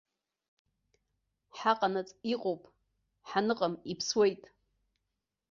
Ҳаҟанаҵ иҟоуп, ҳаныҟам иԥсуеит.